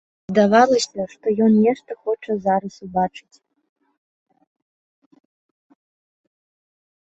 Здавалася, што ён нешта хоча зараз убачыць.